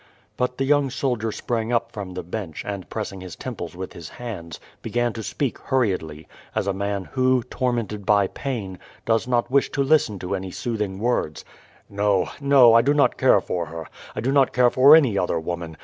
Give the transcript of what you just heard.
But the young soldier sprang up from the bench and, pressing his temples with his hands, began to speak hurriedly, as a man who, tormented by pain, docs not wish to listen to any soothing words. "No, no, I do not care for her, I do not care for any other woman.